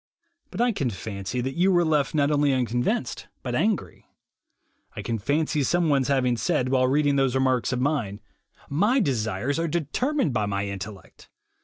But I can fancy that you were left not only unconvinced, but angry. I can fancy someone's' having said, while reading those remarks of mine : "My desires are determined by my intellect.